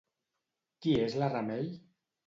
Qui és la Remei?